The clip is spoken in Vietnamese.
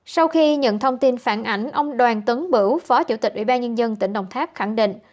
sau khi nhận thông tin phản ảnh ông đoàn tấn bửu phó chủ tịch ủy ban nhân dân tỉnh đồng tháp khẳng định